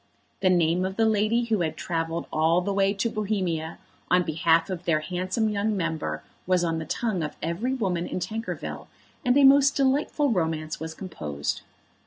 The name of the lady who had travelled all the way to Bohemia on behalf of their handsome young member was on the tongue of every woman in Tankerville, and a most delightful romance was composed.